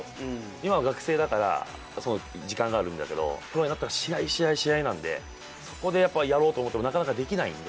今は学生だから時間があるけど、大人になると試合試合なのでそこでやろうと思ってもなかなかできないので